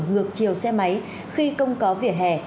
ngược chiều xe máy khi không có vỉa hè